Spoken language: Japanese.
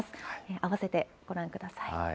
併せてご覧ください。